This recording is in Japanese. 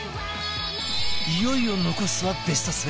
いよいよ残すはベスト３